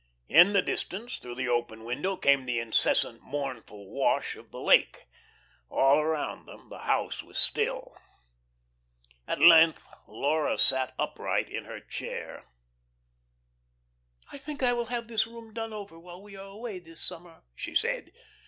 In the distance, through the open window, came the incessant, mournful wash of the lake. All around them the house was still. At length Laura sat upright in her chair. "I think I will have this room done over while we are away this summer," she said.